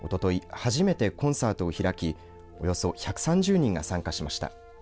初めてコンサートを開きおよそ１３０人が参加しました。